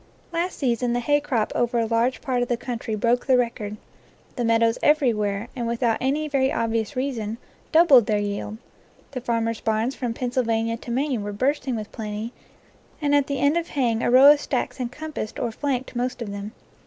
Last season the hay crop over a large part of the country broke the record. The meadows everywhere, and without any very obvious reason, doubled their yield; the farmers' barns from Pennsylvania to Maine were bursting with plenty, and at the end of haying a row of stacks encompassed or flanked most of them.